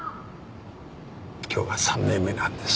今日が３年目なんです。